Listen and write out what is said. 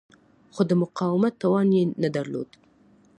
خو د مقاومت توان یې نه درلود.